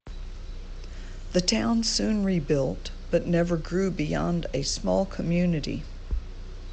The town soon rebuilt, but never grew beyond a small community.